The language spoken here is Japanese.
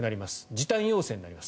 時短要請になります。